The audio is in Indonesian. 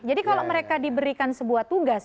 jadi kalau mereka diberikan sebuah tugas